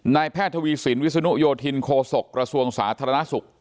แพทย์ทวีสินวิศนุโยธินโคศกระทรวงสาธารณสุข